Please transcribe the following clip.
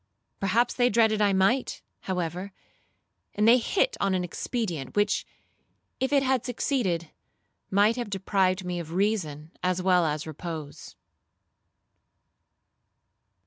Perhaps they dreaded I might, however, and they hit on an expedient, which, if it had succeeded, might have deprived me of reason as well as repose.